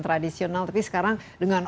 tradisional tapi sekarang dengan